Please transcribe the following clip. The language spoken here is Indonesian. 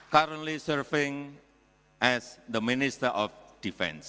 yang sedang bertugas sebagai minister defense